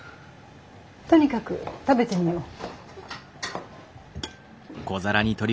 とにかく食べてみよう。